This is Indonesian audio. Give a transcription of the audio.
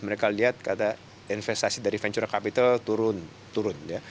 mereka lihat kata investasi dari venture capital turun turun ya